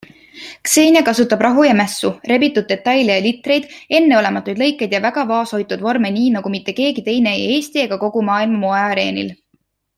Xenia kasutab rahu ja mässu, rebitud detaile ja litreid, enneolematuid lõikeid ja väga vaoshoitud vorme nii, nagu mitte keegi teine ei Eesti ega kogu maailma moeareenil.